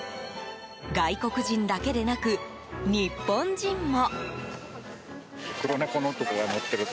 外国人だけでなく日本人も。